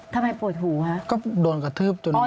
ทำไมปวดหูครับก็โดนกระทืบจุดนี้